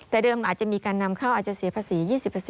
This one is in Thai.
แต่เดิมอาจจะมีการนำเข้าอาจจะเสียภาษี๒๐